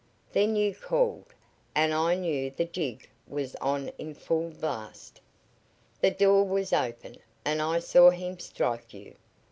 Then you called, and I knew the jig was on in full blast. The door was open, and I saw him strike you.